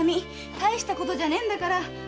大したことじゃねえんだから。